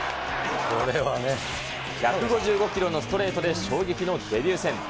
１５５キロのストレートで衝撃のデビュー戦。